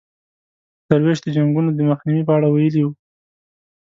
درویش د جنګونو د مخنیوي په اړه ویلي وو.